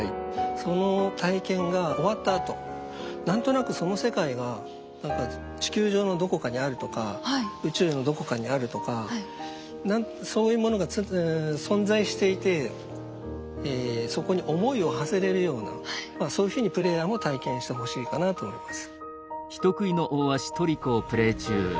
その体験が終わったあと何となくその世界が何か地球上のどこかにあるとか宇宙のどこかにあるとかそういうものが存在していてそこに思いをはせれるようなそういうふうにプレイヤーも体験してほしいかなと思います。